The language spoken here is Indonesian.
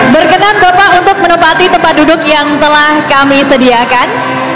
berkenan bapak menempati tempat duduk yang telah disediakan